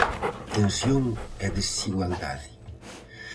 Tensión e desigualdade.